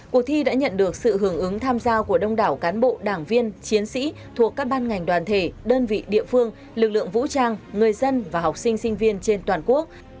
cuộc thi đã nhận được sự hưởng ứng tham gia của đông đảo cán bộ đảng viên chiến sĩ thuộc các ban ngành đoàn thể đơn vị địa phương lực lượng vũ trang người dân và học sinh sinh viên trên toàn quốc